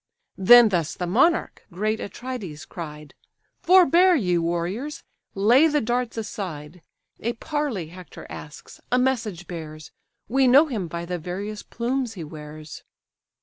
Then thus the monarch, great Atrides, cried: "Forbear, ye warriors! lay the darts aside: A parley Hector asks, a message bears; We know him by the various plume he wears."